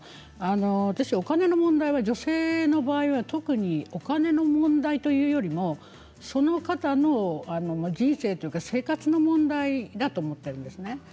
私お金の問題は女性の場合は特にお金の問題というよりもその方の人生というか生活の問題だと思っているんですね。